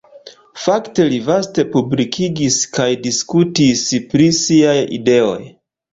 Fakte li vaste publikigis kaj diskutis pri siaj ideoj.